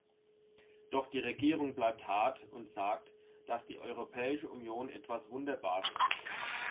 Doch die Regierung bleibt hart und sagt, dass die Europäische Union etwas Wunderbares ist.